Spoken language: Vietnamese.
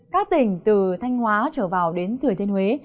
các tỉnh từ thanh hóa trở vào đến thừa thiên huế